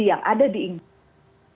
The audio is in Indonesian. yang ada di inggris